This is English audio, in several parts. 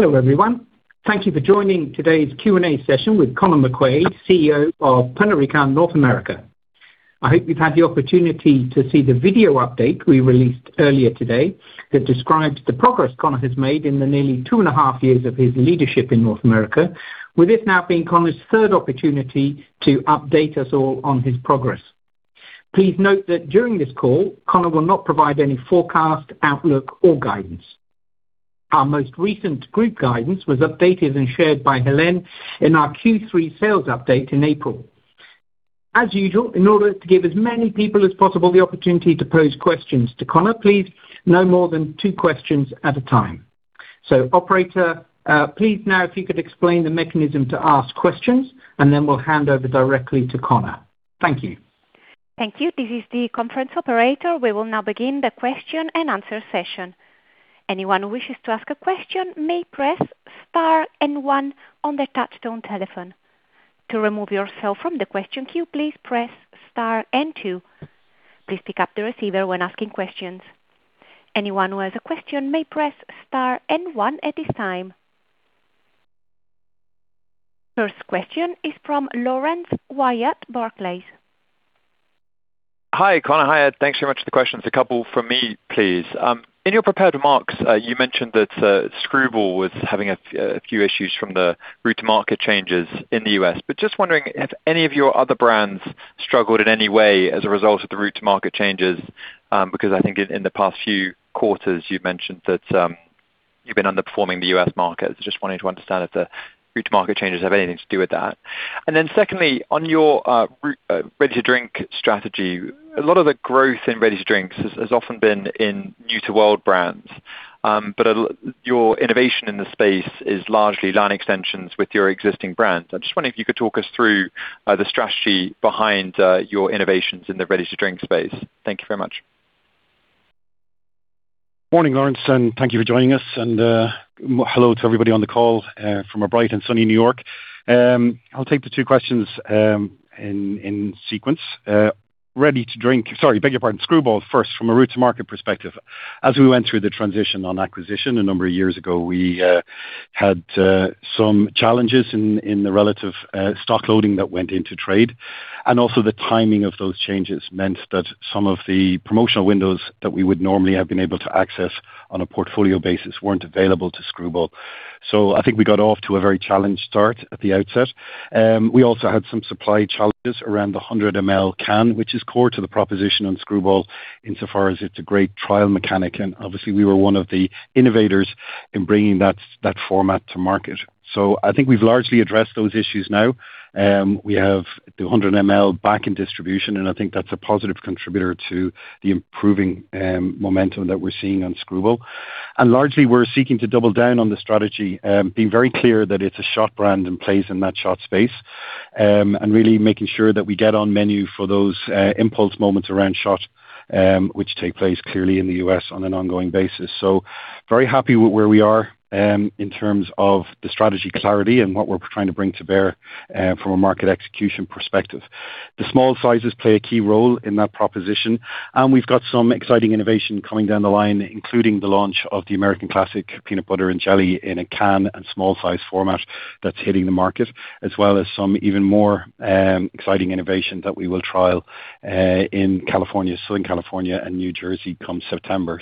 Hello, everyone. Thank you for joining today's Q&A session with Conor McQuaid, CEO of Pernod Ricard North America. I hope you've had the opportunity to see the video update we released earlier today that describes the progress Conor has made in the nearly 2.5 years of his leadership in North America, with this now being Conor's third opportunity to update us all on his progress. Please note that during this call, Conor will not provide any forecast, outlook or guidance. Our most recent group guidance was updated and shared by Hélène in our Q3 sales update in April. As usual, in order to give as many people as possible the opportunity to pose questions to Conor, please no more than two questions at a time. Operator, please now, if you could explain the mechanism to ask questions and then we'll hand over directly to Conor. Thank you. Thank you. This is the conference operator. We will now begin the question-and-answer session. Anyone who wishes to ask a question may press star and one on their touchtone telephone. To remove yourself from the question queue, please press star and two. Please pick up the receiver when asking questions. Anyone who has a question may press star and one at this time. First question is from Laurence Whyatt, Barclays. Hi, Conor. Thanks very much for the questions. A couple from me, please. In your prepared remarks, you mentioned that Skrewball was having a few issues from the Route to Market changes in the U.S. Just wondering if any of your other brands struggled in any way as a result of the Route to Market changes. I think in the past few quarters, you've mentioned that you've been underperforming the U.S. market. Just wanting to understand if the Route to Market changes have anything to do with that. Secondly, on your ready-to-drink strategy, a lot of the growth in ready-to-drinks has often been in new-to-world brands. Your innovation in the space is largely line extensions with your existing brands. I'm just wondering if you could talk us through the strategy behind your innovations in the Ready-to-Drink space. Thank you very much. Morning, Laurence, thank you for joining us and hello to everybody on the call from a bright and sunny New York. I'll take the two questions in sequence. Sorry, beg your pardon. Skrewball first, from a Route to Market perspective. As we went through the transition on acquisition a number of years ago, we had some challenges in the relative stock loading that went into trade, and also the timing of those changes meant that some of the promotional windows that we would normally have been able to access on a portfolio basis weren't available to Skrewball. I think we got off to a very challenged start at the outset. We also had some supply challenges around the 100 ml can, which is core to the proposition on Skrewball insofar as it's a great trial mechanic, and obviously we were one of the innovators in bringing that format to market. I think we've largely addressed those issues now. We have the 100 ml back in distribution, and I think that's a positive contributor to the improving momentum that we're seeing on Skrewball. And largely we're seeking to double down on the strategy, being very clear that it's a shot brand and plays in that shot space, and really making sure that we get on menu for those impulse moments around shot, which take place clearly in the U.S. on an ongoing basis. Very happy with where we are in terms of the strategy clarity and what we're trying to bring to bear from a market execution perspective. The small sizes play a key role in that proposition, and we've got some exciting innovation coming down the line, including the launch of the American Classic Peanut Butter and Jelly in a can and small size format that's hitting the market, as well as some even more exciting innovation that we will trial in Southern California and New Jersey come September.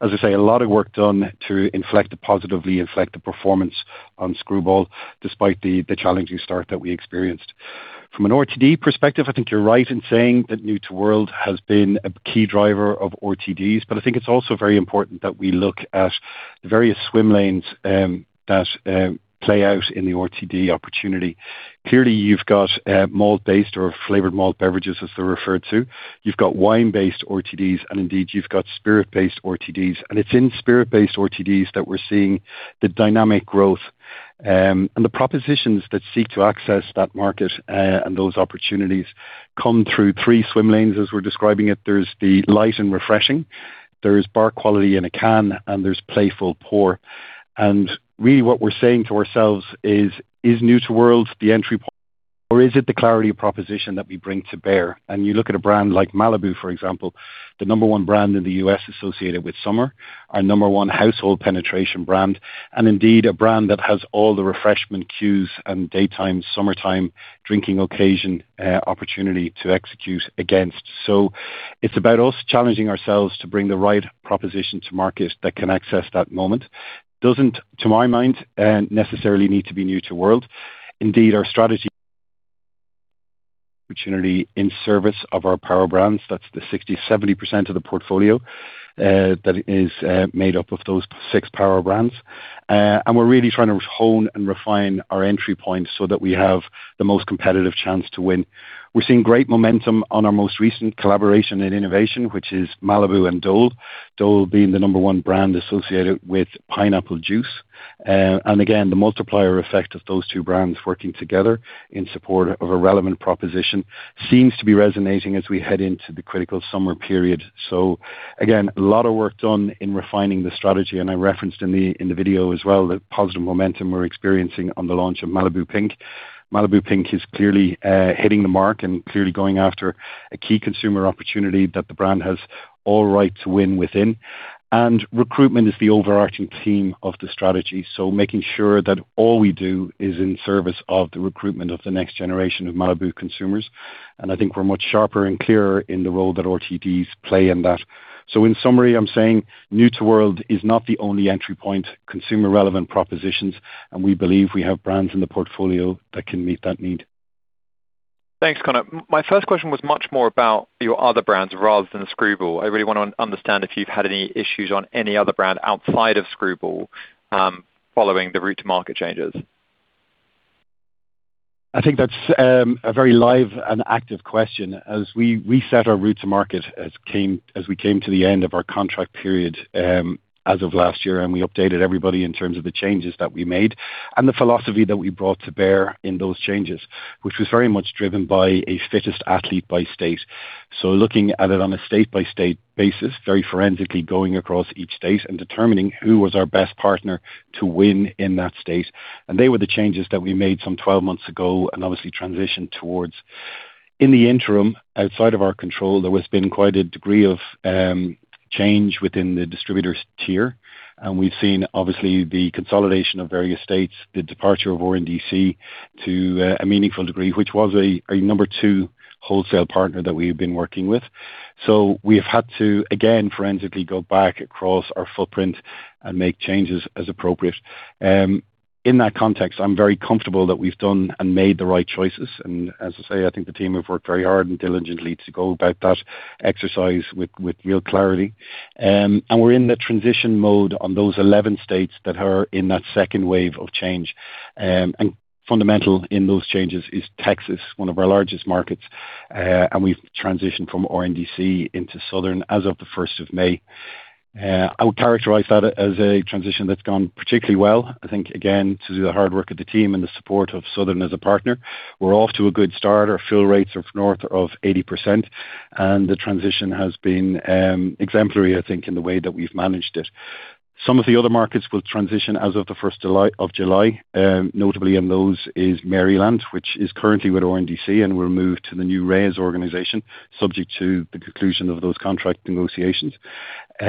As I say, a lot of work done to positively inflect the performance on Skrewball, despite the challenging start that we experienced. From an RTD perspective, I think you're right in saying that new to world has been a key driver of RTDs, but I think it's also very important that we look at the various swim lanes that play out in the RTD opportunity. Clearly, you've got malt-based or flavored malt beverages, as they're referred to. You've got wine-based RTDs, and indeed you've got spirit-based RTDs. It's in spirit-based RTDs that we're seeing the dynamic growth. The propositions that seek to access that market and those opportunities come through three swim lanes, as we're describing it. There's the light and refreshing, there's bar quality in a can, and there's playful pour. Really what we're saying to ourselves is new to world the entry point or is it the clarity of proposition that we bring to bear? You look at a brand like Malibu, for example, the number one brand in the U.S. associated with summer, our number one household penetration brand, and indeed a brand that has all the refreshment cues and daytime, summertime drinking occasion opportunity to execute against. It's about us challenging ourselves to bring the right proposition to market that can access that moment. Doesn't, to my mind, necessarily need to be new to world. Indeed, our strategy in service of our Power brands. That's the 60%, 70% of the portfolio that is made up of those six Power brands. We're really trying to hone and refine our entry points so that we have the most competitive chance to win. We're seeing great momentum on our most recent collaboration and innovation, which is Malibu and Dole. Dole being the number one brand associated with pineapple juice. Again, the multiplier effect of those two brands working together in support of a relevant proposition seems to be resonating as we head into the critical summer period. Again, a lot of work done in refining the strategy, I referenced in the video as well, the positive momentum we're experiencing on the launch of Malibu Pink is clearly hitting the mark and clearly going after a key consumer opportunity that the brand has all right to win within. Recruitment is the overarching theme of the strategy, so making sure that all we do is in service of the recruitment of the next generation of Malibu consumers. I think we're much sharper and clearer in the role that RTDs play in that. In summary, I'm saying new to world is not the only entry point, consumer-relevant propositions, and we believe we have brands in the portfolio that can meet that need. Thanks, Conor. My first question was much more about your other brands rather than Skrewball. I really want to understand if you've had any issues on any other brand outside of Skrewball, following the route-to-market changes. I think that's a very live and active question. As we reset our Route to Market, as we came to the end of our contract period, as of last year, and we updated everybody in terms of the changes that we made and the philosophy that we brought to bear in those changes, which was very much driven by a fittest athlete by state. Looking at it on a state-by-state basis, very forensically going across each state and determining who was our best partner to win in that state. They were the changes that we made some 12 months ago and obviously transitioned towards. In the interim, outside of our control, there has been quite a degree of change within the distributors tier, and we've seen, obviously, the consolidation of various states, the departure of RNDC to a meaningful degree, which was a number two wholesale partner that we've been working with. We've had to, again, forensically go back across our footprint and make changes as appropriate. In that context, I'm very comfortable that we've done and made the right choices. As I say, I think the team have worked very hard and diligently to go about that exercise with real clarity. We're in the transition mode on those 11 states that are in that second wave of change. Fundamental in those changes is Texas, one of our largest markets, and we've transitioned from RNDC into Southern as of the first of May. I would characterize that as a transition that's gone particularly well. I think, again, to the hard work of the team and the support of Southern as a partner. We're off to a good start. Our fill rates are north of 80%, and the transition has been exemplary, I think, in the way that we've managed it. Some of the other markets will transition as of the first of July. Notably in those is Maryland, which is currently with RNDC, and will move to the new Reyes organization, subject to the conclusion of those contract negotiations. As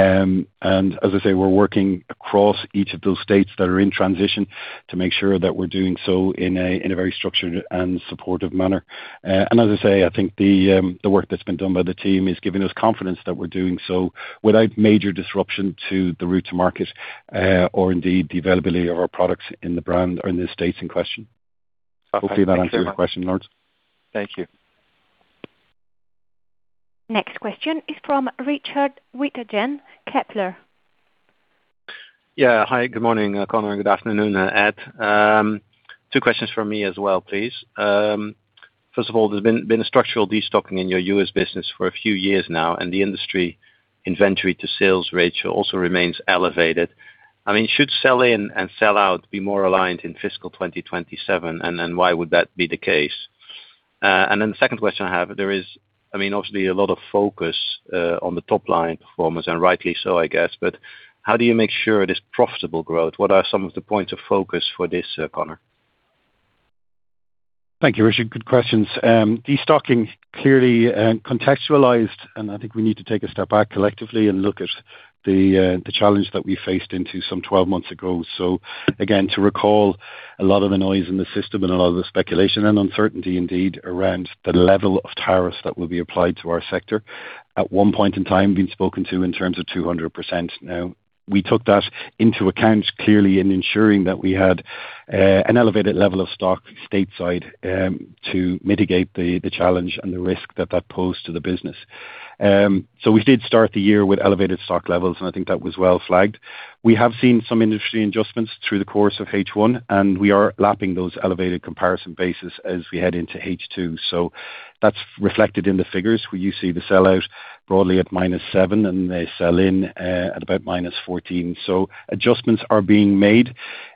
I say, we're working across each of those states that are in transition to make sure that we're doing so in a very structured and supportive manner. As I say, I think the work that's been done by the team is giving us confidence that we're doing so without major disruption to the route to market, or indeed the availability of our products in the brand or in the states in question. Perfect. Thank you so much. Hopefully that answers your question, Laurence. Thank you. Next question is from Richard Withagen, Kepler. Yeah. Hi, good morning, Conor, and good afternoon, Ed. Two questions from me as well, please. First of all, there's been a structural destocking in your U.S. business for a few years now, and the industry inventory to sales ratio also remains elevated. I mean, should sell-in and sell-out be more aligned in fiscal 2027, and then why would that be the case? The second question I have, there is obviously a lot of focus on the top-line performance, and rightly so, I guess, but how do you make sure it is profitable growth? What are some of the points of focus for this, Conor? Thank you, Richard. Good questions. Destocking clearly contextualized, and I think we need to take a step back collectively and look at the challenge that we faced into 12 months ago. Again, to recall a lot of the noise in the system and a lot of the speculation and uncertainty indeed around the level of tariffs that will be applied to our sector. At one point in time, being spoken to in terms of 200%. Now, we took that into account, clearly in ensuring that we had an elevated level of stock stateside, to mitigate the challenge and the risk that that posed to the business. We did start the year with elevated stock levels, and I think that was well flagged. We have seen some industry adjustments through the course of H1, and we are lapping those elevated comparison bases as we head into H2. That's reflected in the figures where you see the sell-out broadly at -7% and the sell-in at about -14%. Adjustments are being made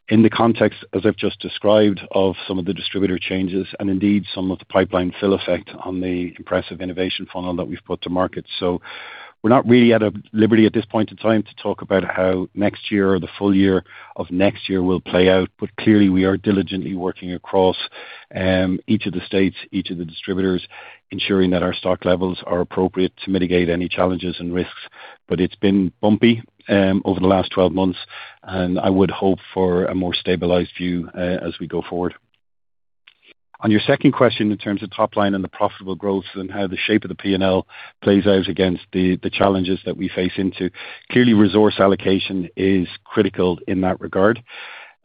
in the context, as I've just described, of some of the distributor changes and indeed some of the pipeline fill effect on the impressive innovation funnel that we've put to market. We're not really at a liberty at this point in time to talk about how next year or the full year of next year will play out, but clearly we are diligently working across each of the states, each of the distributors, ensuring that our stock levels are appropriate to mitigate any challenges and risks. It's been bumpy over the last 12 months, and I would hope for a more stabilized view as we go forward. On your second question, in terms of top line and the profitable growth and how the shape of the P&L plays out against the challenges that we face into. Clearly, resource allocation is critical in that regard.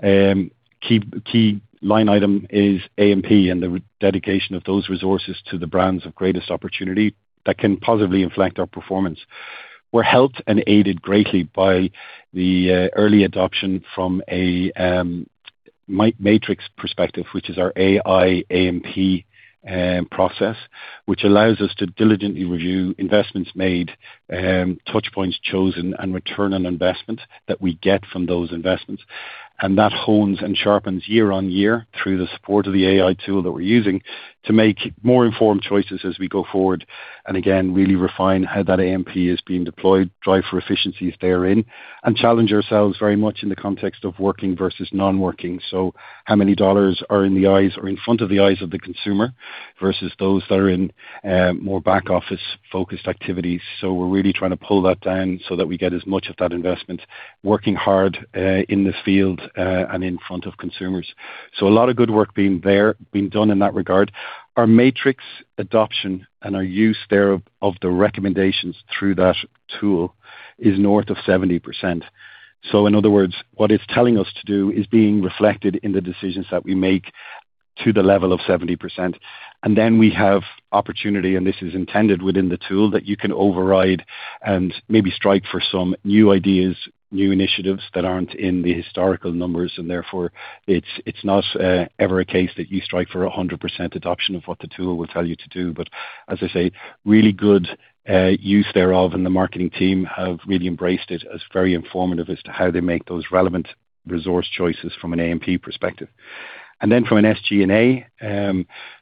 Key line item is A&P and the dedication of those resources to the brands of greatest opportunity that can positively inflect our performance. We're helped and aided greatly by the early adoption from a Matrix perspective, which is our AI A&P process, which allows us to diligently review investments made, touchpoints chosen, and return on investment that we get from those investments. That hones and sharpens year on year through the support of the AI tool that we're using to make more informed choices as we go forward. Again, really refine how that A&P is being deployed, drive for efficiencies therein, and challenge ourselves very much in the context of working versus non-working. How many dollars are in front of the eyes of the consumer versus those that are in more back office focused activities. We're really trying to pull that down so that we get as much of that investment working hard in the field and in front of consumers. A lot of good work being done in that regard. Our Matrix adoption and our use thereof the recommendations through that tool is north of 70%. In other words, what it's telling us to do is being reflected in the decisions that we make to the level of 70%. Then we have opportunity, and this is intended within the tool, that you can override and maybe strike for some new ideas, new initiatives that aren't in the historical numbers, and therefore it's not ever a case that you strike for 100% adoption of what the tool will tell you to do. As I say, really good use thereof, and the marketing team have really embraced it as very informative as to how they make those relevant resource choices from an A&P perspective. Then from an SG&A,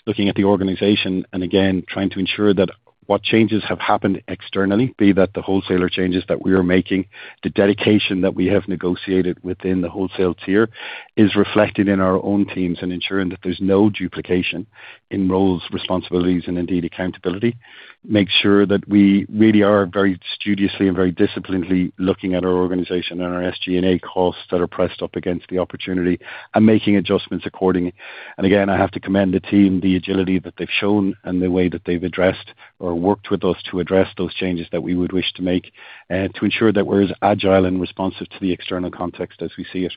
looking at the organization and again, trying to ensure that what changes have happened externally, be that the wholesaler changes that we are making, the dedication that we have negotiated within the wholesale tier is reflected in our own teams and ensuring that there's no duplication in roles, responsibilities, and indeed accountability. Make sure that we really are very studiously and very disciplinedly looking at our organization and our SG&A costs that are pressed up against the opportunity and making adjustments accordingly. Again, I have to commend the team, the agility that they've shown and the way that they've addressed or worked with us to address those changes that we would wish to make, to ensure that we're as agile and responsive to the external context as we see it.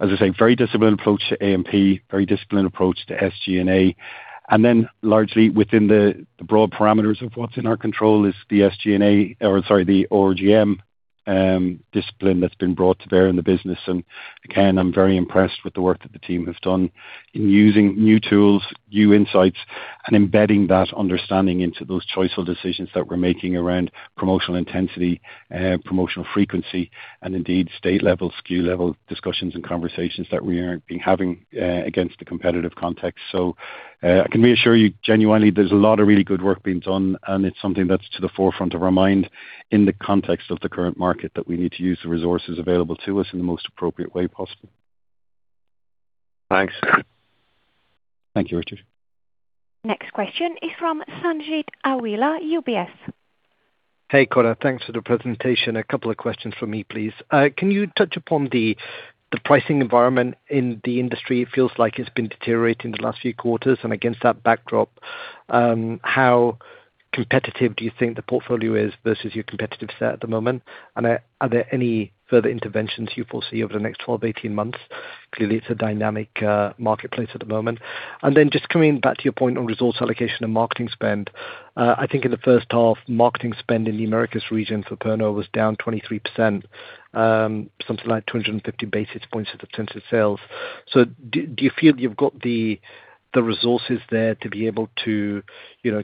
As I say, very disciplined approach to A&P, very disciplined approach to SG&A. Then largely within the broad parameters of what's in our control is the SG&A, or sorry, the RGM discipline that's been brought to bear in the business. Again, I'm very impressed with the work that the team have done in using new tools, new insights, and embedding that understanding into those choiceful decisions that we're making around promotional intensity, promotional frequency, and indeed state level, SKU level discussions and conversations that we are being having against the competitive context. I can reassure you genuinely, there's a lot of really good work being done, and it's something that's to the forefront of our mind in the context of the current market, that we need to use the resources available to us in the most appropriate way possible. Thanks. Thank you, Richard. Next question is from Sanjeet Aujla, UBS. Hey, Conor. Thanks for the presentation. A couple of questions from me, please. Can you touch upon the pricing environment in the industry? It feels like it's been deteriorating the last few quarters. Against that backdrop, how competitive do you think the portfolio is versus your competitive set at the moment? Are there any further interventions you foresee over the next 12 to 18 months? Clearly, it's a dynamic marketplace at the moment. Just coming back to your point on resource allocation and marketing spend. I think in the first half, marketing spend in the Americas region for Pernod was down 23%, something like 250 basis points of the Nielsen sales. Do you feel you've got the resources there to be able to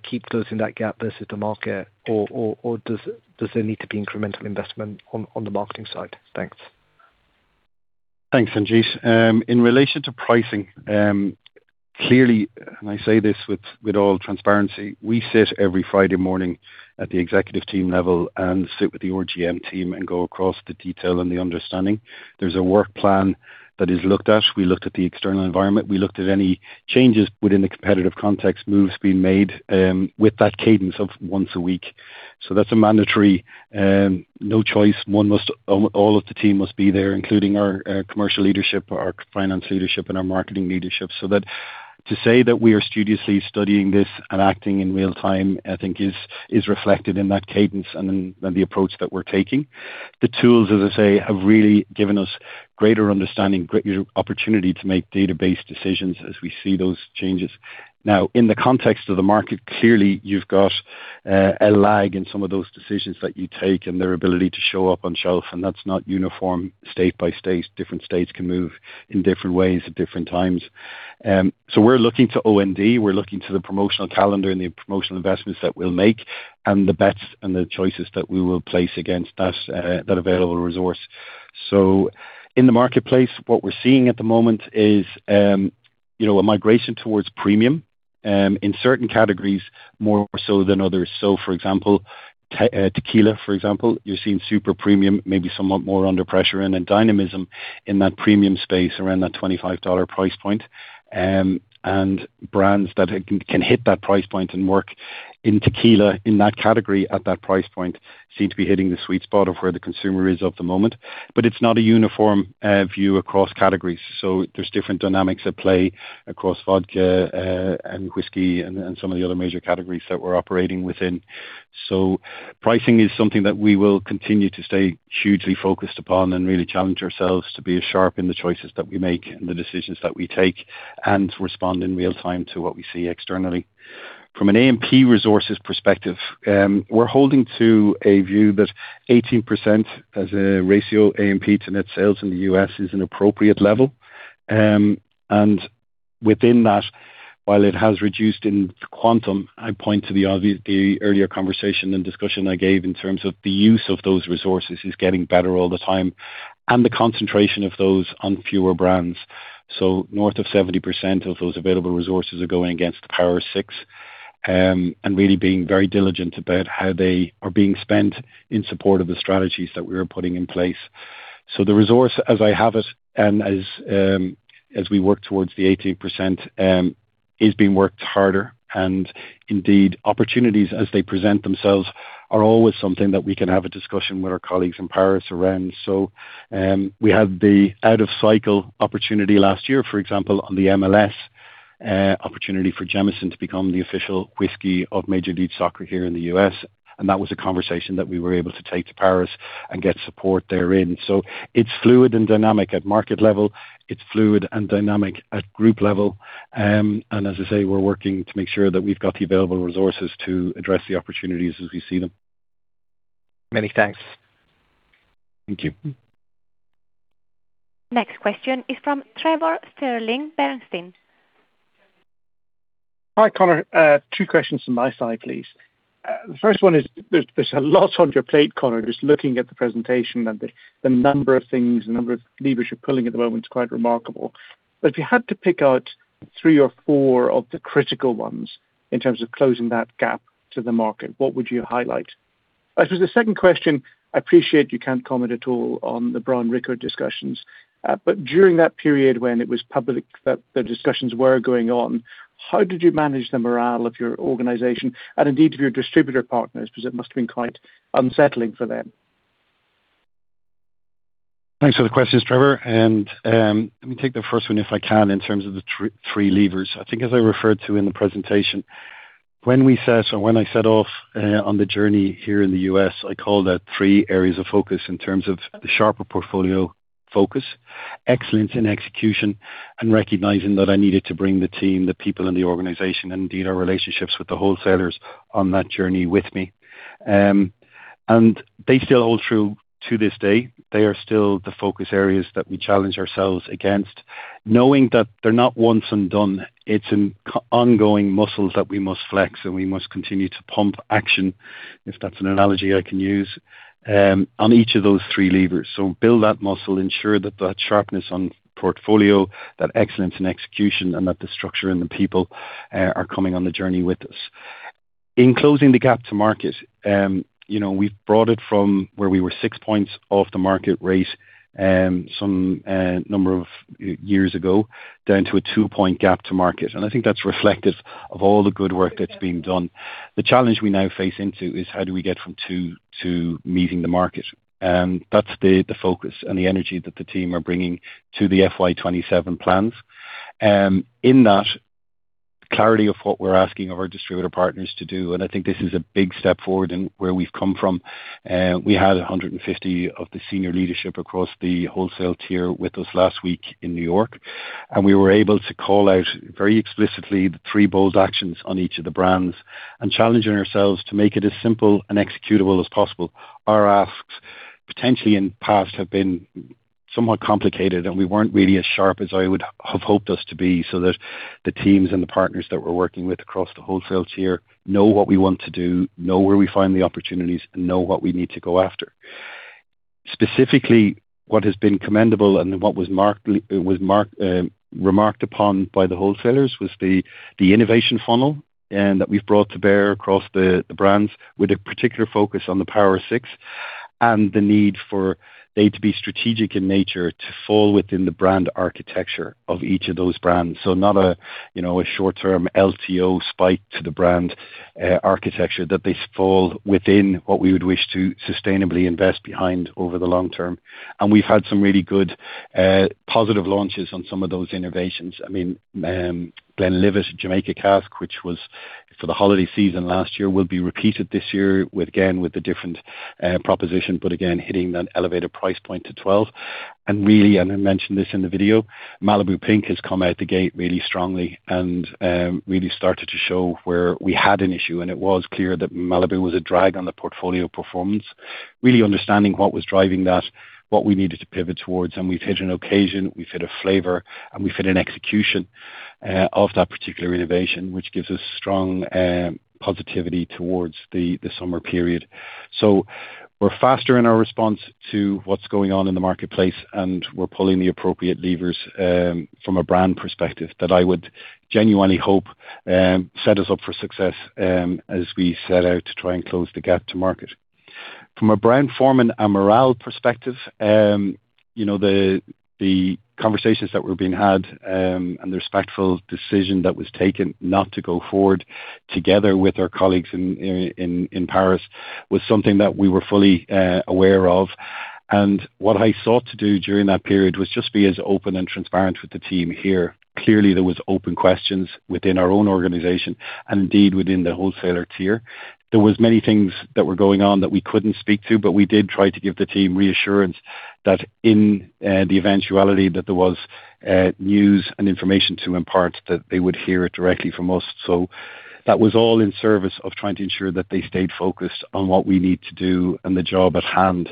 keep closing that gap versus the market? Does there need to be incremental investment on the marketing side? Thanks. Thanks, Sanjeet. In relation to pricing, clearly, I say this with all transparency, we sit every Friday morning at the executive team level and sit with the ORGM team and go across the detail and the understanding. There's a work plan that is looked at. We looked at the external environment, we looked at any changes within the competitive context, moves being made, with that cadence of once a week. That's a mandatory, no choice. All of the team must be there, including our commercial leadership, our finance leadership, and our marketing leadership. That to say that we are studiously studying this and acting in real time, I think is reflected in that cadence and in the approach that we're taking. The tools, as I say, have really given us greater understanding, greater opportunity to make data-based decisions as we see those changes. In the context of the market, clearly you've got a lag in some of those decisions that you take and their ability to show up on shelf, and that's not uniform state by state. Different states can move in different ways at different times. We're looking to OND, we're looking to the promotional calendar and the promotional investments that we'll make, and the bets and the choices that we will place against that available resource. In the marketplace, what we're seeing at the moment is a migration towards premium, in certain categories more so than others. For example, tequila, for example, you're seeing super premium, maybe somewhat more under pressure and then dynamism in that premium space around that $25 price point. Brands that can hit that price point and work in tequila in that category at that price point seem to be hitting the sweet spot of where the consumer is of the moment. It's not a uniform view across categories. There's different dynamics at play across vodka, and whiskey and some of the other major categories that we're operating within. Pricing is something that we will continue to stay hugely focused upon and really challenge ourselves to be as sharp in the choices that we make and the decisions that we take, and respond in real time to what we see externally. From an A&P resources perspective, we're holding to a view that 18% as a ratio A&P to net sales in the U.S. is an appropriate level. Within that, while it has reduced in quantum, I point to the earlier conversation and discussion I gave in terms of the use of those resources is getting better all the time, and the concentration of those on fewer brands. North of 70% of those available resources are going against the Power Six, and really being very diligent about how they are being spent in support of the strategies that we're putting in place. The resource as I have it and as we work towards the 18%, is being worked harder and indeed, opportunities as they present themselves are always something that we can have a discussion with our colleagues in Paris around. We had the out of cycle opportunity last year, for example, on the MLS, opportunity for Jameson to become the official whiskey of Major League Soccer here in the U.S. and that was a conversation that we were able to take to Paris and get support therein. It's fluid and dynamic at market level. It's fluid and dynamic at group level. As I say, we're working to make sure that we've got the available resources to address the opportunities as we see them. Many thanks. Thank you. Next question is from Trevor Stirling, Bernstein. Hi, Conor. Two questions from my side, please. The first one is, there's a lot on your plate, Conor, just looking at the presentation and the number of things, the number of levers you're pulling at the moment is quite remarkable. If you had to pick out three or four of the critical ones in terms of closing that gap to the market, what would you highlight? I suppose the second question, I appreciate you can't comment at all on the Brown-Forman discussions. During that period when it was public that the discussions were going on, how did you manage the morale of your organization and indeed of your distributor partners? Because it must've been quite unsettling for them. Thanks for the questions, Trevor. Let me take the first one if I can in terms of the three levers. I think as I referred to in the presentation, when I set off on the journey here in the U.S., I called out three areas of focus in terms of the sharper portfolio focus, excellence in execution, and recognizing that I needed to bring the team, the people in the organization, indeed our relationships with the wholesalers on that journey with me. They still hold true to this day. They are still the focus areas that we challenge ourselves against, knowing that they're not once and done. It's an ongoing muscle that we must flex, and we must continue to pump action, if that's an analogy I can use, on each of those three levers. Build that muscle, ensure that that sharpness on portfolio, that excellence in execution, and that the structure and the people are coming on the journey with us. In closing the gap to market, we've brought it from where we were six points off the market rate, some number of years ago, down to a two-point gap to market. I think that's reflective of all the good work that's being done. The challenge we now face into is how do we get from two to meeting the market. That's the focus and the energy that the team are bringing to the FY 2027 plans. In that clarity of what we're asking of our distributor partners to do, I think this is a big step forward in where we've come from. We had 150 of the senior leadership across the wholesale tier with us last week in New York, and we were able to call out very explicitly the three bold actions on each of the brands and challenging ourselves to make it as simple and executable as possible. Our asks potentially in past have been somewhat complicated, and we weren't really as sharp as I would have hoped us to be, so that the teams and the partners that we're working with across the wholesale tier know what we want to do, know where we find the opportunities, and know what we need to go after. Specifically, what has been commendable and what was remarked upon by the wholesalers was the innovation funnel. That we've brought to bear across the brands with a particular focus on the Power Six and the need for they to be strategic in nature to fall within the brand architecture of each of those brands. Not a short-term LTO spike to the brand architecture, that they fall within what we would wish to sustainably invest behind over the long term. We've had some really good positive launches on some of those innovations. The Glenlivet Caribbean Reserve, which was for the holiday season last year, will be repeated this year, again, with a different proposition, but again, hitting that elevated price point to $12. Really, I mentioned this in the video, Malibu Pink has come out the gate really strongly and really started to show where we had an issue, and it was clear that Malibu was a drag on the portfolio performance. Really understanding what was driving that, what we needed to pivot towards, and we've hit an occasion, we've hit a flavor, and we've hit an execution of that particular innovation, which gives us strong positivity towards the summer period. We're faster in our response to what's going on in the marketplace, and we're pulling the appropriate levers, from a brand perspective that I would genuinely hope set us up for success as we set out to try and close the gap to market. From a Brown-Forman and morale perspective, the conversations that were being had, and the respectful decision that was taken not to go forward together with our colleagues in Paris, was something that we were fully aware of. What I sought to do during that period was just be as open and transparent with the team here. Clearly, there was open questions within our own organization and indeed within the wholesaler tier. There was many things that were going on that we couldn't speak to, but we did try to give the team reassurance that in the eventuality that there was news and information to impart, that they would hear it directly from us. That was all in service of trying to ensure that they stayed focused on what we need to do and the job at hand,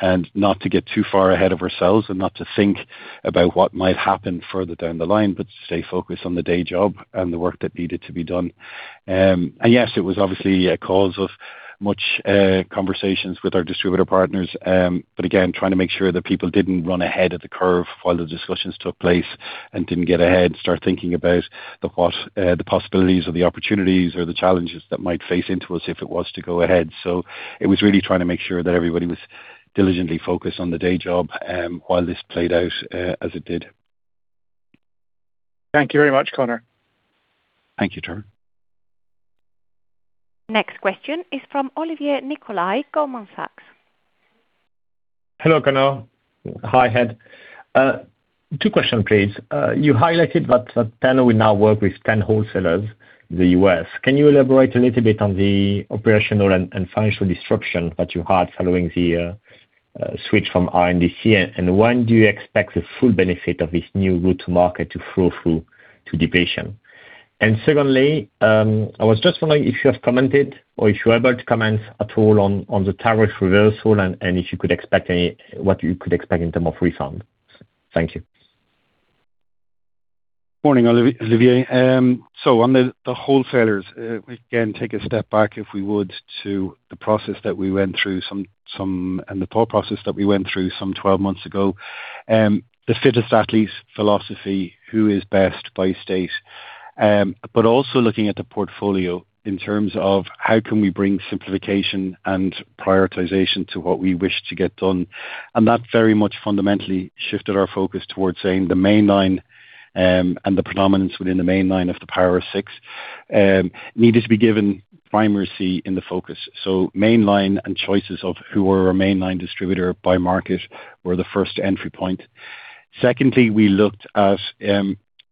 and not to get too far ahead of ourselves and not to think about what might happen further down the line, but stay focused on the day job and the work that needed to be done. Yes, it was obviously a cause of much conversations with our distributor partners. Again, trying to make sure that people didn't run ahead of the curve while the discussions took place and didn't get ahead and start thinking about the possibilities or the opportunities or the challenges that might face into us if it was to go ahead. It was really trying to make sure that everybody was diligently focused on the day job, while this played out as it did. Thank you very much, Conor. Thank you, Trevor. Next question is from Olivier Nicolai, Goldman Sachs. Hello, Conor. Hi, Ed. Two question, please. You highlighted that Pernod will now work with 10 wholesalers in the U.S. Can you elaborate a little bit on the operational and financial disruption that you had following the switch from RNDC? When do you expect the full benefit of this new route to market to flow through to the P&L? Secondly, I was just wondering if you have commented or if you are able to comment at all on the tariff reversal and what you could expect in term of refund. Thank you. Morning, Olivier. On the wholesalers, again, take a step back, if we would, to the process that we went through and the thought process that we went through some 12 months ago. The fittest athlete philosophy, who is best by state. Also looking at the portfolio in terms of how can we bring simplification and prioritization to what we wish to get done. That very much fundamentally shifted our focus towards saying the mainline, and the predominance within the mainline of the Power Six, needed to be given primacy in the focus. Mainline and choices of who were our mainline distributor by market were the first entry point. Secondly, we looked at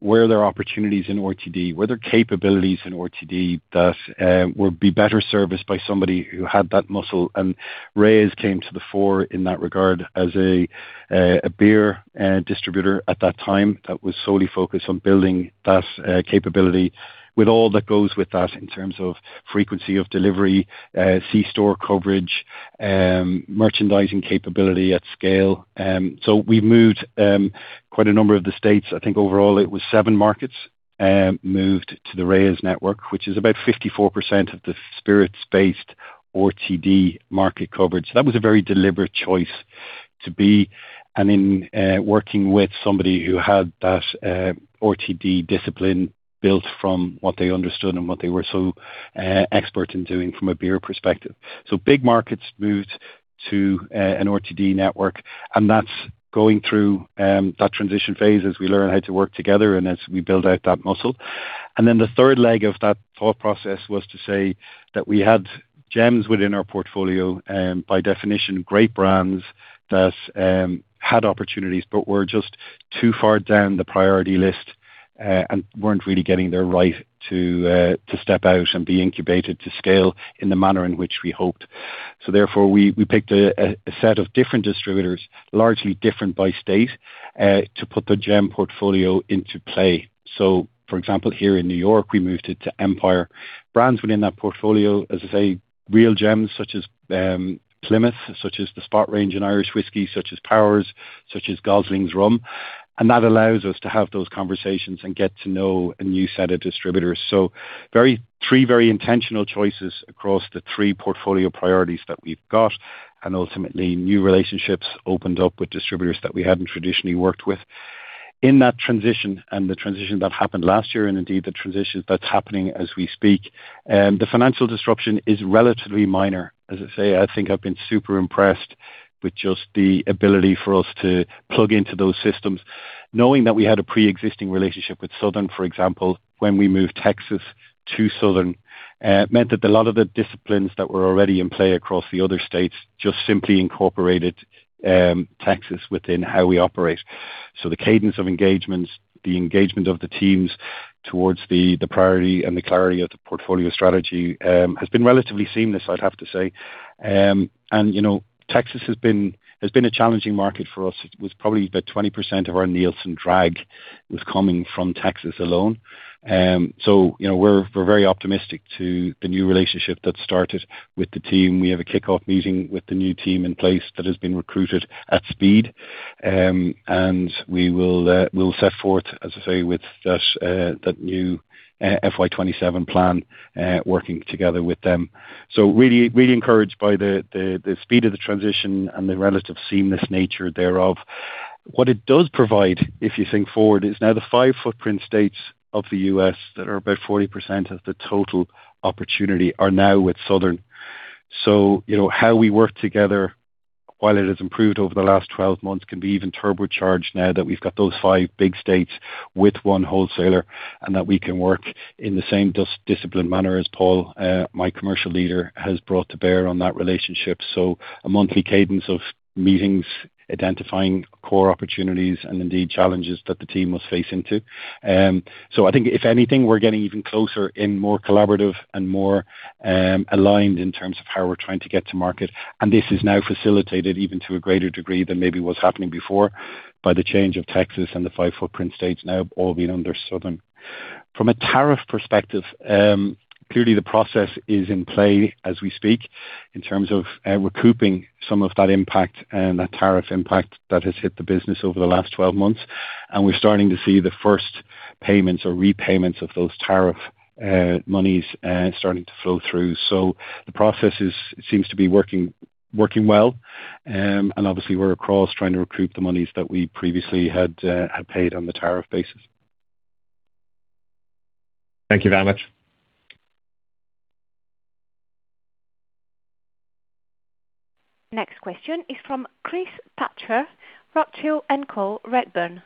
were there opportunities in RTD? Were there capabilities in RTD that would be better serviced by somebody who had that muscle? Reyes came to the fore in that regard as a beer distributor at that time that was solely focused on building that capability with all that goes with that in terms of frequency of delivery, C-store coverage, merchandising capability at scale. We moved quite a number of the states. I think overall it was seven markets moved to the Reyes network, which is about 54% of the spirits-based RTD market coverage. That was a very deliberate choice to be. In working with somebody who had that RTD discipline built from what they understood and what they were so expert in doing from a beer perspective. Big markets moved to an RTD network, and that's going through that transition phase as we learn how to work together and as we build out that muscle. The third leg of that thought process was to say that we had gems within our portfolio, by definition, great brands that had opportunities but were just too far down the priority list, and weren't really getting their right to step out and be incubated to scale in the manner in which we hoped. Therefore, we picked a set of different distributors, largely different by state, to put the gem portfolio into play. For example, here in New York, we moved it to Empire. Brands within that portfolio, as I say, real gems such as Plymouth, such as the Spot range in Irish whiskey, such as Powers, such as Goslings Rum. That allows us to have those conversations and get to know a new set of distributors. Three very intentional choices across the three portfolio priorities that we've got, and ultimately new relationships opened up with distributors that we hadn't traditionally worked with. In that transition and the transition that happened last year and indeed the transition that's happening as we speak, the financial disruption is relatively minor. As I say, I think I've been super impressed with just the ability for us to plug into those systems. Knowing that we had a preexisting relationship with Southern, for example, when we moved Texas to Southern, meant that a lot of the disciplines that were already in play across the other states just simply incorporated Texas within how we operate. The cadence of engagements, the engagement of the teams towards the priority and the clarity of the portfolio strategy has been relatively seamless, I'd have to say. Texas has been a challenging market for us. It was probably about 20% of our Nielsen drag was coming from Texas alone. We're very optimistic to the new relationship that started with the team. We have a kickoff meeting with the new team in place that has been recruited at speed. We'll set forth, as I say, with that new FY 2027 plan, working together with them. Really encouraged by the speed of the transition and the relative seamless nature thereof. What it does provide, if you think forward, is now the five footprint states of the U.S. that are about 40% of the total opportunity are now with Southern. How we work together, while it has improved over the last 12 months, can be even turbocharged now that we've got those five big states with one wholesaler, and that we can work in the same disciplined manner as Paul, my commercial leader, has brought to bear on that relationship. A monthly cadence of meetings, identifying core opportunities and indeed challenges that the team must face into. I think if anything, we're getting even closer and more collaborative and more aligned in terms of how we're trying to get to market. This is now facilitated even to a greater degree than maybe was happening before by the change of Texas and the five footprint states now all being under Southern. From a tariff perspective, clearly the process is in play as we speak in terms of recouping some of that impact and that tariff impact that has hit the business over the last 12 months. We're starting to see the first payments or repayments of those tariff monies starting to flow through. The process seems to be working well. Obviously we're across trying to recoup the monies that we previously had paid on the tariff basis. Thank you very much. Next question is from Chris Pitcher, Rothschild & Co, Redburn.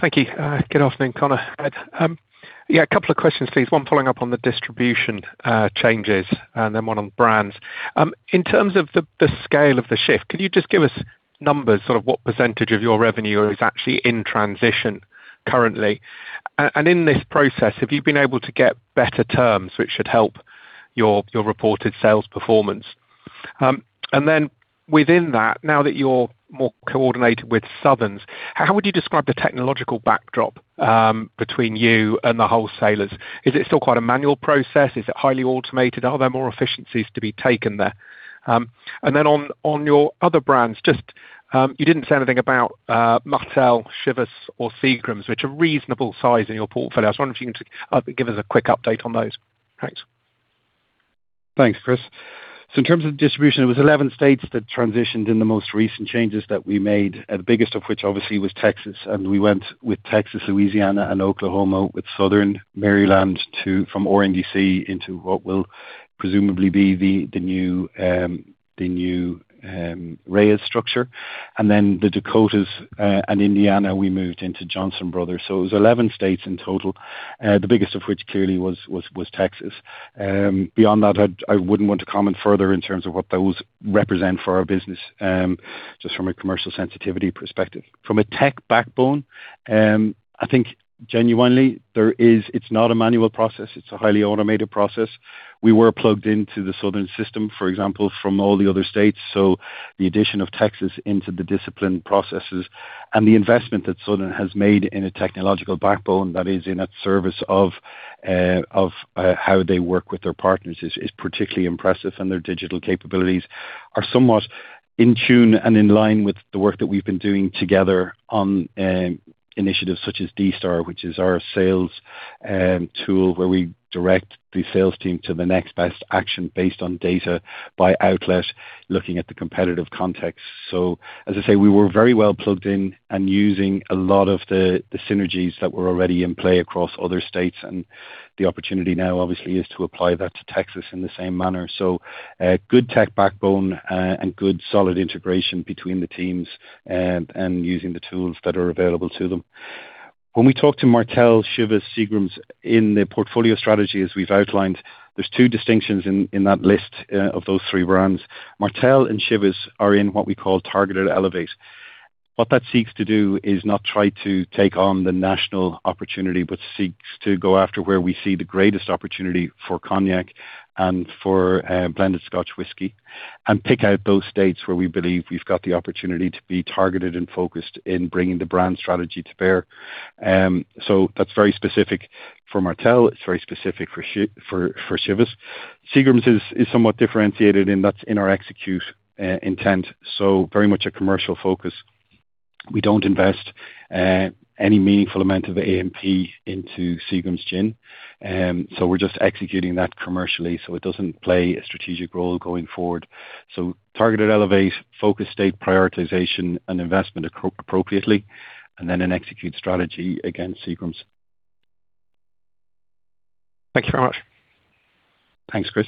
Thank you. Good afternoon, Conor. Ed. Yeah, a couple of questions, please. One following up on the distribution changes and then one on brands. In terms of the scale of the shift, could you just give us numbers, sort of what percentage of your revenue is actually in transition currently? In this process, have you been able to get better terms which should help your reported sales performance? Within that, now that you're more coordinated with Southern's, how would you describe the technological backdrop between you and the wholesalers? Is it still quite a manual process? Is it highly automated? Are there more efficiencies to be taken there? On your other brands, just you didn't say anything about Martell, Chivas or Seagram's, which are reasonable size in your portfolio. I was wondering if you can give us a quick update on those. Thanks. Thanks, Chris. In terms of distribution, it was 11 states that transitioned in the most recent changes that we made, the biggest of which obviously was Texas. We went with Texas, Louisiana, and Oklahoma, with Southern Maryland from RNDC into what will presumably be the new Reyes structure. The Dakotas and Indiana, we moved into Johnson Brothers. It was 11 states in total, the biggest of which clearly was Texas. Beyond that, I wouldn't want to comment further in terms of what those represent for our business, just from a commercial sensitivity perspective. From a tech backbone, I think genuinely it's not a manual process. It's a highly automated process. We were plugged into the Southern Glazer's system, for example, from all the other states. The addition of Texas into the discipline processes and the investment that Southern has made in a technological backbone that is in its service of how they work with their partners is particularly impressive. Their digital capabilities are somewhat in tune and in line with the work that we've been doing together on initiatives such as D-STAR, which is our sales tool, where we direct the sales team to the next best action based on data by outlet, looking at the competitive context. As I say, we were very well plugged in and using a lot of the synergies that were already in play across other states, and the opportunity now obviously is to apply that to Texas in the same manner. Good tech backbone and good solid integration between the teams and using the tools that are available to them. When we talk to Martell, Chivas, Seagram's in the portfolio strategy as we've outlined, there's two distinctions in that list of those three brands. Martell and Chivas are in what we call Targeted Elevate. What that seeks to do is not try to take on the national opportunity, but seeks to go after where we see the greatest opportunity for Cognac and for blended Scotch whisky and pick out those states where we believe we've got the opportunity to be targeted and focused in bringing the brand strategy to bear. That's very specific for Martell. It's very specific for Chivas. Seagram's is somewhat differentiated, and that's in our execute intent. Very much a commercial focus. We don't invest any meaningful amount of A&P into Seagram's Gin. We're just executing that commercially, so it doesn't play a strategic role going forward. Targeted Elevate, focus state prioritization and investment appropriately, and then an Execute strategy against Seagram's. Thank you very much. Thanks, Chris.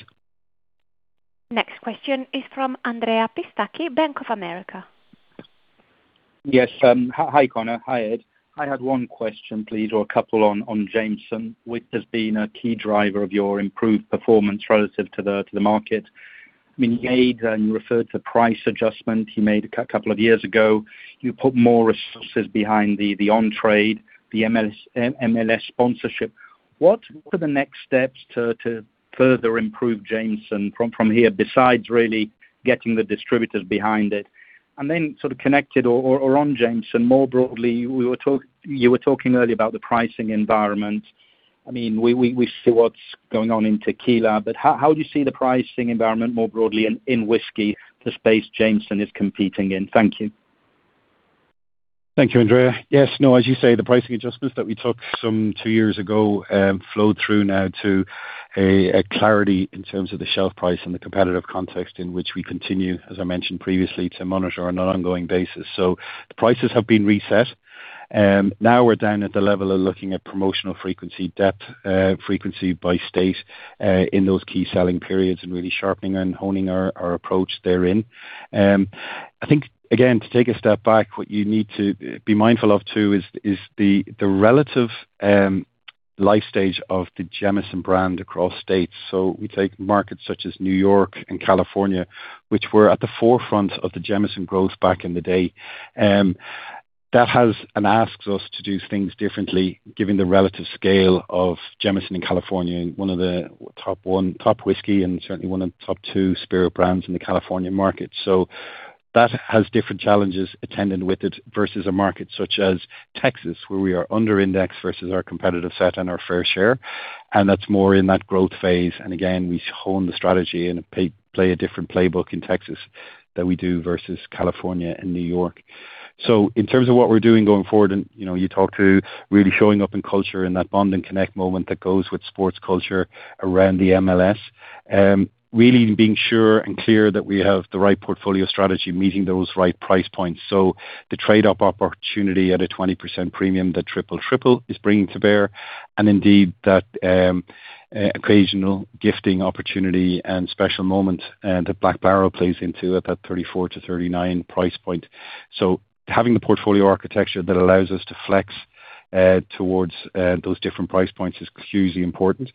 Next question is from Andrea Pistacchi, Bank of America. Yes. Hi, Conor. Hi, Ed. I had one question, please, or a couple on Jameson, which has been a key driver of your improved performance relative to the market. You made and referred to price adjustment you made a couple of years ago. You put more resources behind the on-trade, the MLS sponsorship. What are the next steps to further improve Jameson from here, besides really getting the distributors behind it? Then sort of connected or on Jameson more broadly, you were talking earlier about the pricing environment. We see what's going on in Tequila, but how do you see the pricing environment more broadly in whisky, the space Jameson is competing in? Thank you. Thank you, Andrea. Yes, as you say, the pricing adjustments that we took some two years ago, flowed through now to a clarity in terms of the shelf price and the competitive context in which we continue, as I mentioned previously, to monitor on an ongoing basis. The prices have been reset. Now we're down at the level of looking at promotional frequency depth, frequency by state, in those key selling periods and really sharpening and honing our approach therein. I think, again, to take a step back, what you need to be mindful of too is the relative life stage of the Jameson brand across states. We take markets such as New York and California, which were at the forefront of the Jameson growth back in the day. That has and asks us to do things differently given the relative scale of Jameson in California, one of the top whisky and certainly one of the top two spirit brands in the California market. That has different challenges attendant with it versus a market such as Texas, where we are under indexed versus our competitive set and our fair share. That's more in that growth phase. Again, we hone the strategy and play a different playbook in Texas that we do versus California and New York. In terms of what we're doing going forward, and you talk to really showing up in culture in that bond and connect moment that goes with sports culture around the MLS. Really being sure and clear that we have the right portfolio strategy, meeting those right price points. The trade-up opportunity at a 20% premium that Triple Triple is bringing to bear, and indeed, that occasional gifting opportunity and special moment that Jameson Black Barrel plays into at that $34-$39 price point. Having the portfolio architecture that allows us to flex towards those different price points is hugely important.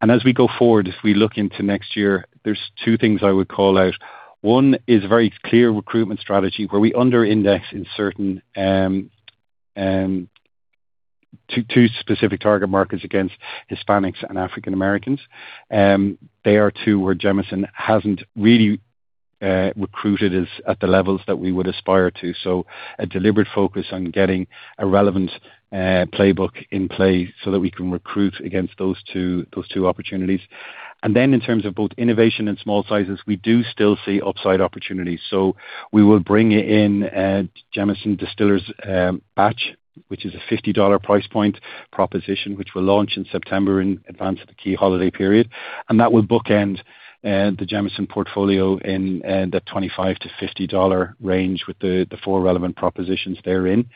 As we go forward, if we look into next year, there's two things I would call out. One is very clear recruitment strategy, where we under index in certain two specific target markets against Hispanics and African Americans. They are two where Jameson hasn't really recruited at the levels that we would aspire to. A deliberate focus on getting a relevant playbook in play so that we can recruit against those two opportunities. Then in terms of both innovation and small sizes, we do still see upside opportunities. We will bring in Jameson Distillers Batch, which is a EUR 50 price point proposition, which will launch in September in advance of the key holiday period. That will bookend the Jameson portfolio in the EUR 25-EUR 50 range with the four relevant propositions therein.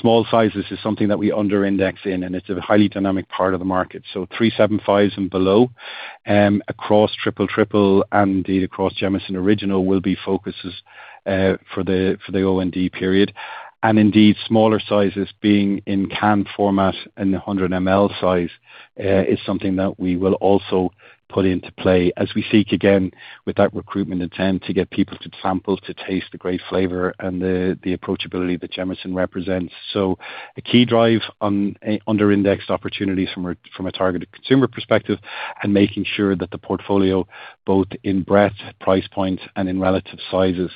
Small sizes is something that we under index in, and it's a highly dynamic part of the market. 375s and below, across triple-triple and indeed across Jameson Original will be focuses for the O&D period. Indeed, smaller sizes being in can format in the 100 ml size, is something that we will also put into play as we seek again with that recruitment intent to get people to sample, to taste the great flavor and the approachability that Jameson represents. A key drive on under indexed opportunities from a targeted consumer perspective and making sure that the portfolio, both in breadth, price points and in relative sizes,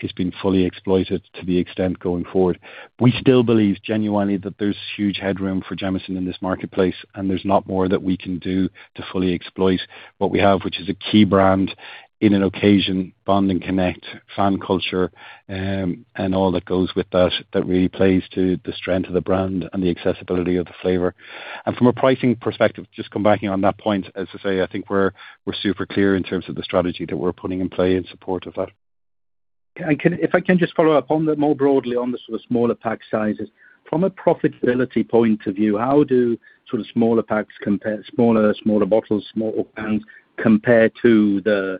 has been fully exploited to the extent going forward. We still believe genuinely that there's huge headroom for Jameson in this marketplace, and there's not more that we can do to fully exploit what we have, which is a key brand in an occasion, bond and connect, fan culture, and all that goes with that really plays to the strength of the brand and the accessibility of the flavor. From a pricing perspective, just come back in on that point. As I say, I think we're super clear in terms of the strategy that we're putting in play in support of that. If I can just follow up more broadly on the sort of smaller pack sizes. From a profitability point of view, how do smaller packs, compare smaller bottles, smaller cans compare to the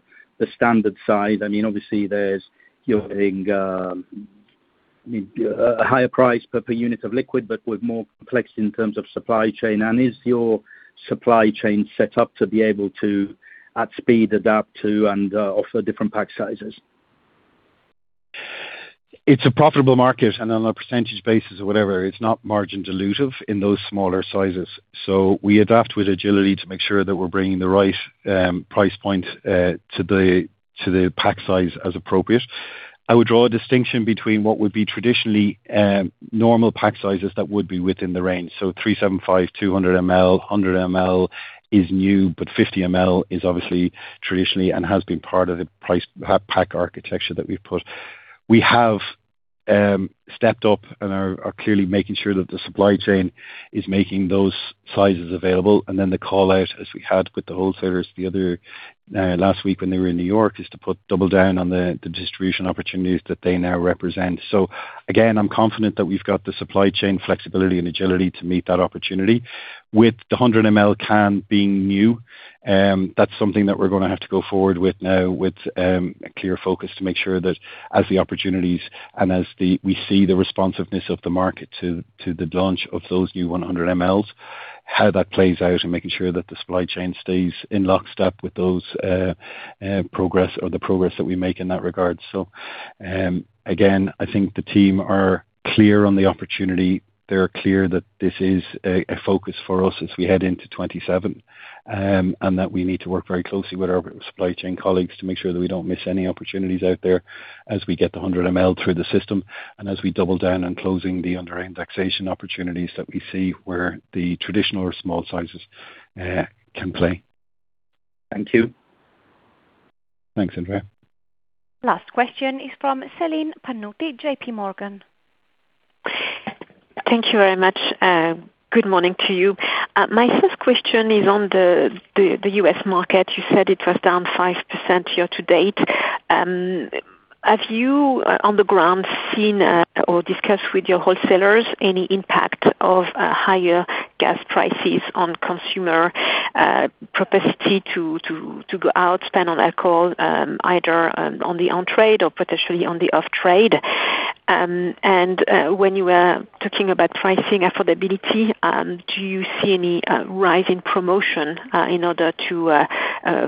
standard size? Obviously, you're getting a higher price per unit of liquid, with more complexity in terms of supply chain. Is your supply chain set up to be able to, at speed, adapt to and offer different pack sizes? It's a profitable market, and on a percentage basis or whatever, it's not margin dilutive in those smaller sizes. We adapt with agility to make sure that we're bringing the right price point to the pack size as appropriate. I would draw a distinction between what would be traditionally normal pack sizes that would be within the range. 375, 200 ml, 100 ml is new, but 50 ml is obviously traditionally and has been part of the pack architecture that we've put. We have stepped up and are clearly making sure that the supply chain is making those sizes available, and then the call out, as we had with the wholesalers last week when they were in N.Y., is to put double down on the distribution opportunities that they now represent. Again, I'm confident that we've got the supply chain flexibility and agility to meet that opportunity. With the 100 ml can being new, that's something that we're going to have to go forward with now with a clear focus to make sure that as the opportunities and as we see the responsiveness of the market to the launch of those new 100 mls, how that plays out and making sure that the supply chain stays in lockstep with those progress or the progress that we make in that regard. Again, I think the team are clear on the opportunity. They're clear that this is a focus for us as we head into 2027, and that we need to work very closely with our supply chain colleagues to make sure that we don't miss any opportunities out there as we get the 100 ml through the system and as we double down on closing the under indexation opportunities that we see where the traditional or small sizes can play. Thank you. Thanks, Andrea. Last question is from Céline Pannuti, JPMorgan. Thank you very much. Good morning to you. My first question is on the U.S. market. You said it was down 5% year to date. Have you, on the ground, seen or discussed with your wholesalers any impact of higher gas prices on consumer propensity to go out, spend on alcohol, either on the on-trade or potentially on the off-trade? When you were talking about pricing affordability, do you see any rise in promotion in order to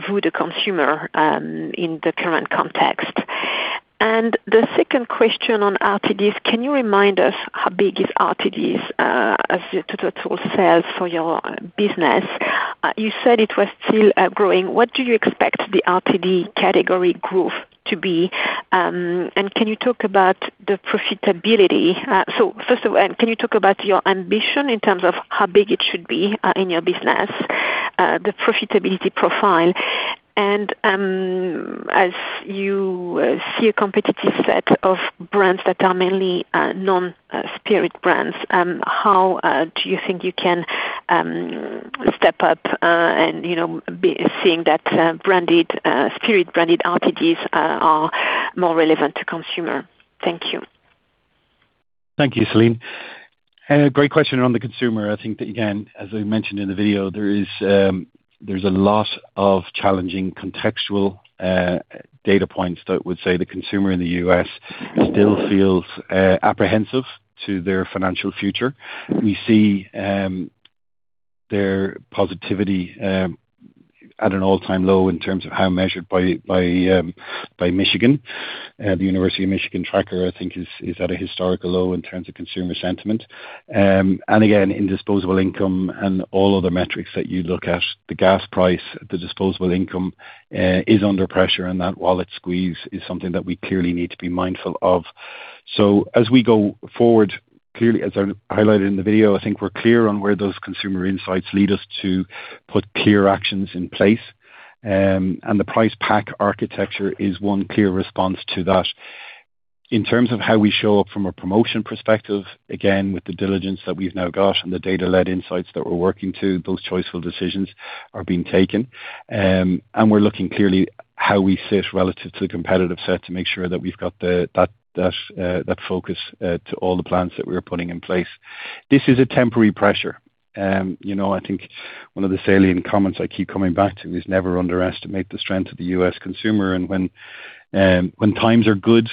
woo the consumer in the current context? The second question on RTDs, can you remind us how big is RTDs as to the total sales for your business? You said it was still growing. What do you expect the RTD category growth to be? Can you talk about the profitability? First of all, can you talk about your ambition in terms of how big it should be in your business, the profitability profile? As you see a competitive set of brands that are mainly non-spirit brands, how do you think you can step up and seeing that spirit branded RTDs are more relevant to consumer? Thank you. Thank you, Céline. Great question around the consumer. I think that, again, as we mentioned in the video, there's a lot of challenging contextual data points that would say the consumer in the U.S. still feels apprehensive to their financial future. We see their positivity at an all-time low in terms of how measured by Michigan. The University of Michigan tracker, I think, is at a historical low in terms of consumer sentiment. Again, in disposable income and all other metrics that you look at, the gas price, the disposable income is under pressure, and that wallet squeeze is something that we clearly need to be mindful of. As we go forward, clearly, as I highlighted in the video, I think we're clear on where those consumer insights lead us to put clear actions in place. The price pack architecture is one clear response to that. In terms of how we show up from a promotion perspective, again, with the diligence that we've now got and the data-led insights that we're working to, those choiceful decisions are being taken. We're looking clearly how we sit relative to the competitive set to make sure that we've got that focus to all the plans that we're putting in place. This is a temporary pressure. I think one of the salient comments I keep coming back to is never underestimate the strength of the U.S. consumer. When times are good,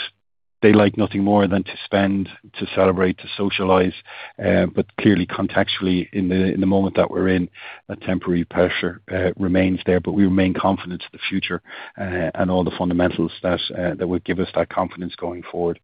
they like nothing more than to spend, to celebrate, to socialize. Clearly contextually in the moment that we're in, a temporary pressure remains there, but we remain confident to the future, and all the fundamentals that would give us that confidence going forward.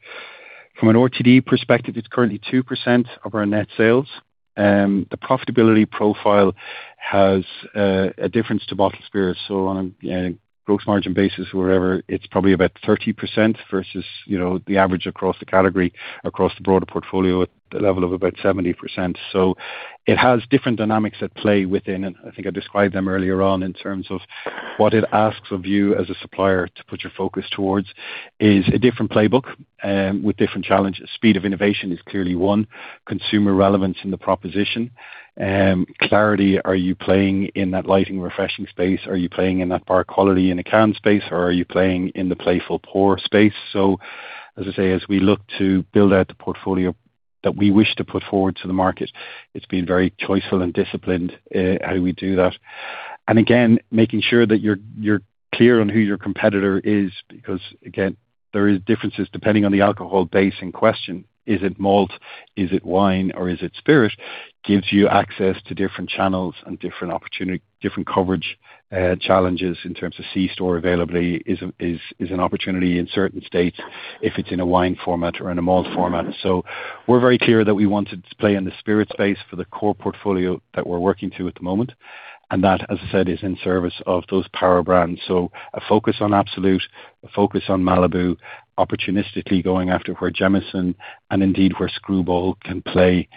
From an RTD perspective, it's currently 2% of our net sales. The profitability profile has a difference to bottled spirits. On a gross margin basis, wherever, it's probably about 30% versus the average across the category, across the broader portfolio at a level of about 70%. It has different dynamics at play within, and I think I described them earlier on in terms of what it asks of you as a supplier to put your focus towards, is a different playbook with different challenges. Speed of innovation is clearly one. Consumer relevance in the proposition. Clarity, are you playing in that light and refreshing space? Are you playing in that bar quality in a can space or are you playing in the playful pour space? As I say, as we look to build out the portfolio that we wish to put forward to the market, it's been very choiceful and disciplined how we do that. Again, making sure that you're clear on who your competitor is, because, again, there is differences depending on the alcohol base in question. Is it malt? Is it wine or is it spirit? Gives you access to different channels and different coverage challenges in terms of C-store availability is an opportunity in certain states if it's in a wine format or in a malt format. We're very clear that we want to play in the spirit space for the core portfolio that we're working to at the moment. That, as I said, is in service of those power brands. A focus on Absolut, a focus on Malibu, opportunistically going after where Jameson and indeed where Skrewball can play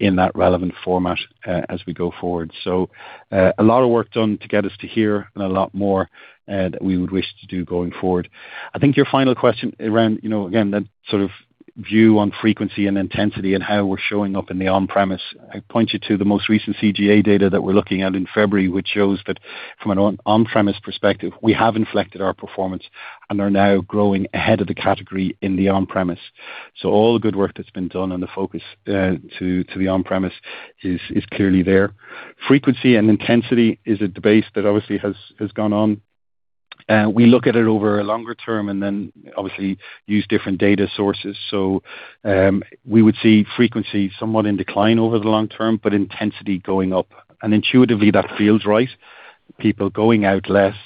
in that relevant format, as we go forward. A lot of work done to get us to here and a lot more that we would wish to do going forward. I think your final question around, again, that sort of view on frequency and intensity and how we're showing up in the on-premise. I'd point you to the most recent CGA data that we're looking at in February, which shows that from an on-premise perspective, we have inflected our performance and are now growing ahead of the category in the on-premise. All the good work that's been done and the focus to the on-premise is clearly there. Frequency and intensity is a debate that obviously has gone on. We look at it over a longer term and then obviously use different data sources. We would see frequency somewhat in decline over the long term, but intensity going up. Intuitively, that feels right. People going out less,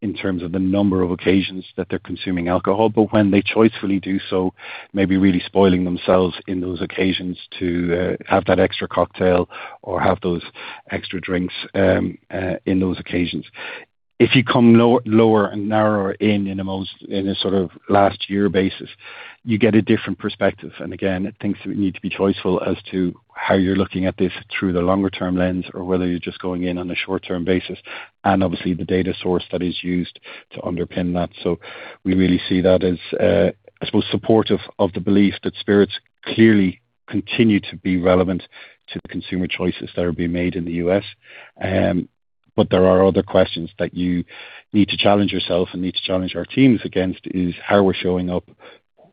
in terms of the number of occasions that they're consuming alcohol, but when they choicefully do so, maybe really spoiling themselves in those occasions to have that extra cocktail or have those extra drinks in those occasions. If you come lower and narrower in a sort of last year basis, you get a different perspective. Again, I think we need to be choiceful as to how you're looking at this through the longer term lens or whether you're just going in on a short-term basis, and obviously the data source that is used to underpin that. We really see that as, I suppose, supportive of the belief that spirits clearly continue to be relevant to the consumer choices that are being made in the U.S. There are other questions that you need to challenge yourself and need to challenge our teams against, is how we're showing up,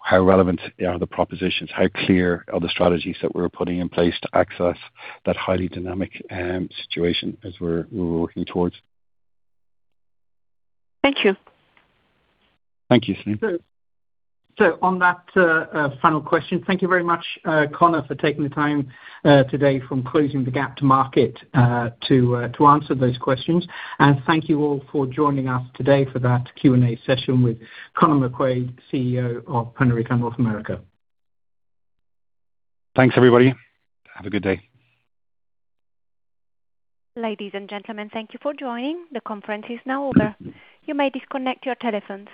how relevant are the propositions, how clear are the strategies that we're putting in place to access that highly dynamic situation as we're working towards. Thank you. Thank you, Céline. On that final question, thank you very much, Conor, for taking the time today from closing the gap to market to answer those questions. Thank you all for joining us today for that Q&A session with Conor McQuaid, CEO of Pernod Ricard North America. Thanks, everybody. Have a good day. Ladies and gentlemen, thank you for joining. The conference is now over. You may disconnect your telephones.